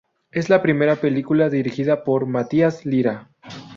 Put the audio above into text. Es la primera película dirigida por Matías Lira.